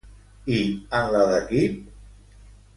I en la d'equip?